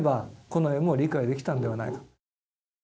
近衛も理解できたんではないか。